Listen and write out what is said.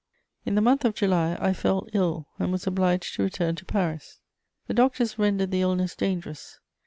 In the month of July, I fell ill and was obliged to return to Paris. The doctors rendered the illness dangerous.